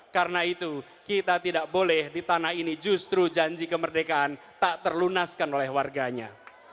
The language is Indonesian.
karena itu kita tidak boleh di tanah ini justru janji kemerdekaan tak terlunaskan oleh warganya